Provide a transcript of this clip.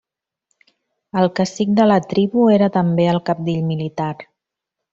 El cacic de la tribu era també el cabdill militar.